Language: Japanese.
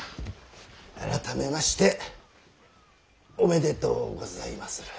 改めましておめでとうございまする。